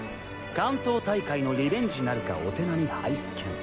関東大会のリベンジなるかお手並み拝見。